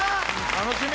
楽しみ！